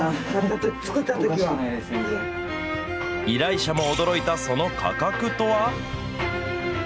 依頼者も驚いたその価格とは。